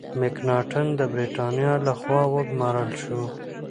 مکناټن د برتانیا له خوا وګمارل شو.